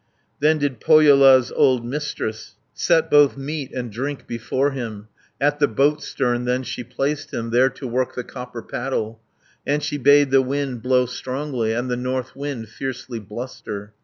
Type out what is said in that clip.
Then did Pohjola's old Mistress Set both meat and drink before him, At the boat stern then she placed him, There to work the copper paddle. And she bade the wind blow strongly, And the north wind fiercely bluster.